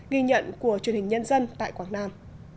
ghi nhận của truyền hình nhân dân tại quảng nam